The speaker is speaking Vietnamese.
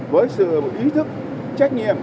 với sự ý thức trách nhiệm